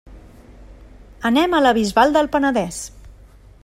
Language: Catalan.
Anem a la Bisbal del Penedès.